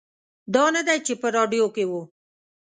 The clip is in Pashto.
دا نه دی چې په راډیو کې و.